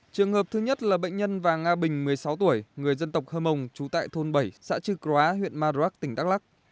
trường hợp thứ nhất là bệnh nhân và nga bình một mươi sáu tuổi người dân tộc hơ mông trú tại thôn bảy xã trư cóa huyện madurak tỉnh đắk lắc